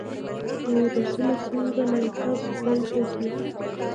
ویروسونه څنګه له یو کس بل ته ځي؟